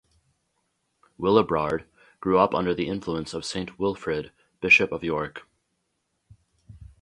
Willibrord grew up under the influence of Saint Wilfrid, Bishop of York.